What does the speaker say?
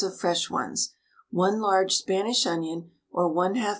of fresh ones, 1 large Spanish onion or 1/2 lb.